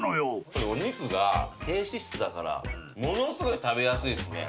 これお肉が低脂質だからものすごい食べやすいですね。